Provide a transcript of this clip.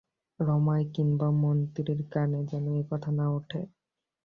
রমাই কিংবা মন্ত্রীর কানে যেন এ কথা না উঠে!